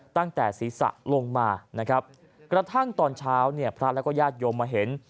ตั้งแต่ศีรษะลงมานะครับกระทั่งตอนเช้าเนี่ยพระแล้วก็ญาติโยมมาเห็น